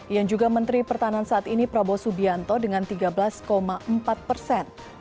yang juga menteri pertahanan saat ini prabowo subianto dengan tiga belas empat persen